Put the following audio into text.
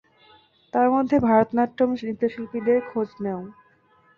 তার মধ্যে ভারতনাট্যম নৃত্যশিল্পীদের খোঁজ নেও।